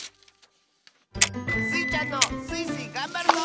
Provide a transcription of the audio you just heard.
スイちゃんの「スイスイ！がんばるぞ」